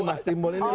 ini mas timbul ini ya